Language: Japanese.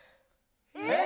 えっ？